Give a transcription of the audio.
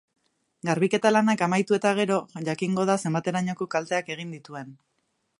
Garbiketa lanak amaitu eta gero jakingo da zenbaterainoko kalteak egin dituen.